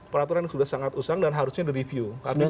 peraturan sudah sangat usang dan harusnya direview